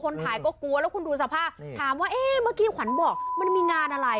แล้วคุณดูสภาพถามว่าเมื่อกี้ขวานบอกมันมีงานอะไร